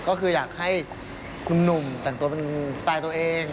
ก็คืออยากให้คุณหนุ่มแต่งตัวเป็นสไตล์ตัวเอง